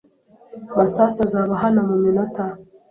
Masasu azaba hano muminota.